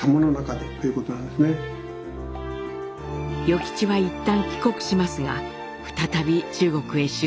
与吉は一旦帰国しますが再び中国へ出征。